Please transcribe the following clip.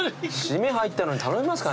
締め入ったのに頼みますかね。